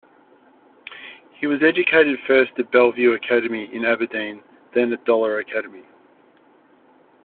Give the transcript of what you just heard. He was educated first at Bellevue Academy in Aberdeen then at Dollar Academy.